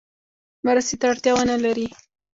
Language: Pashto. مرستې ته اړتیا ونه لري.